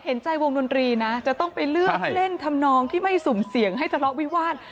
เห็นใจวงดนตรีนะจะต้องไปเลือกเล่นทำนองที่ไม่สุ่มเสี่ยงให้ทะเลาะวิวาส